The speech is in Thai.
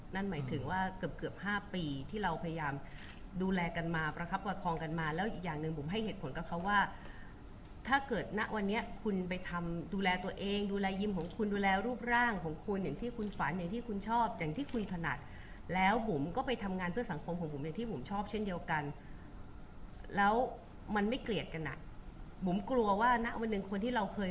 นั่นหมายถึงว่าเกือบ๕ปีที่เราพยายามดูแลกันมาประคับกว่าครองกันมาแล้วอย่างหนึ่งผมให้เหตุผลกับเขาว่าถ้าเกิดณะวันนี้คุณไปทำดูแลตัวเองดูแลยิ้มของคุณดูแลรูปร่างของคุณอย่างที่คุณฝันอย่างที่คุณชอบอย่างที่คุณถนัดแล้วผมก็ไปทำงานเพื่อสังคมของผมอย่างที่ผมชอบเช่นเดียวกันแล้วมันไม่เกลียดกันนะ